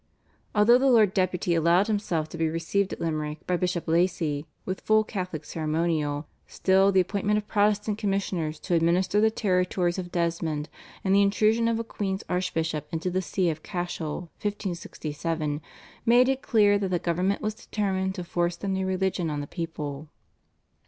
Although the Lord Deputy allowed himself to be received at Limerick by Bishop Lacy with full Catholic ceremonial, still the appointment of Protestant commissioners to administer the territories of Desmond, and the intrusion of a queen's archbishop into the See of Cashel (1567) made it clear that the government was determined to force the new religion on the people.